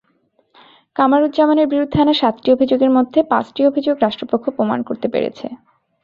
কামারুজ্জামানের বিরুদ্ধে আনা সাতটি অভিযোগের মধ্যে পাঁচটি অভিযোগ রাষ্ট্রপক্ষ প্রমাণ করতে পেরেছে।